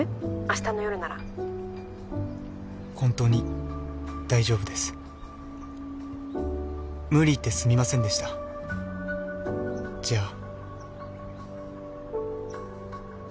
明日の夜なら本当に大丈夫です無理言ってすみませんでしたじゃあ